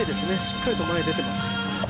しっかりと前出てます